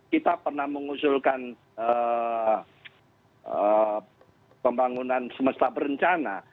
kita pernah mengusulkan pembangunan semesta berencana